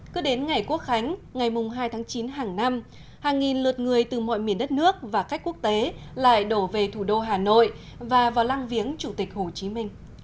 cứ đến ngày quốc khánh ngày hai tháng chín hàng năm hàng nghìn lượt người từ mọi miền đất nước và khách quốc tế lại đổ về thủ đô hà nội và vào lăng viếng chủ tịch hồ chí minh